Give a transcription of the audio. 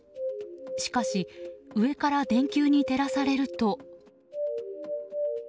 しかし上から電球に照らされると。